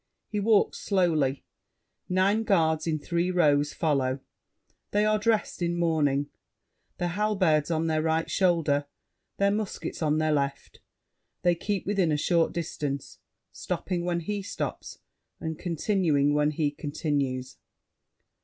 He walks slowly; nine guards in three rows follow; they are dressed in mourning, their halberds on their right shoulder, their muskets on their left; they keep within a short distance, stopping when he stops, and continuing when he continues.